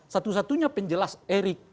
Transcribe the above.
satu satunya penjelas erick